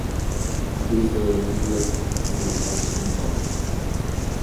Dieser wirft sie aus dem Haus.